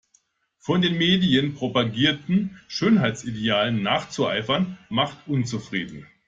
Von den Medien propagierten Schönheitsidealen nachzueifern macht unzufrieden.